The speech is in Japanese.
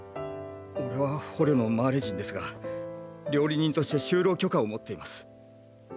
俺は捕虜のマーレ人ですが料理人として就労許可を持っています。